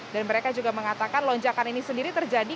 dan mereka juga mengatakan lonjakan ini sendiri terjadi